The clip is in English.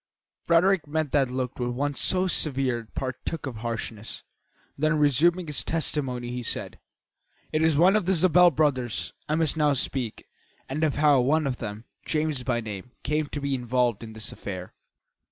Frederick met that look with one so severe it partook of harshness; then, resuming his testimony, he said: "It is of the Zabel brothers I must now speak, and of how one of them, James by name, came to be involved in this affair.